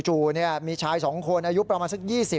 มีชาย๒คนอายุประมาณสัก๒๐